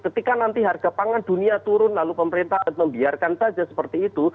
ketika nanti harga pangan dunia turun lalu pemerintah membiarkan saja seperti itu